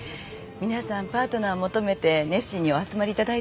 皆さんパートナーを求めて熱心にお集まり頂いてます。